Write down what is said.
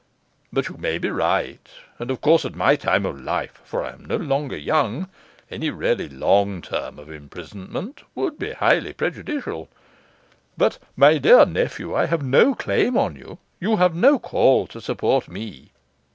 But you may be right, and of course at my time of life for I am no longer young any really long term of imprisonment would be highly prejudicial. But, my dear nephew, I have no claim on you; you have no call to support me.